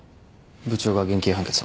部長が減刑判決を。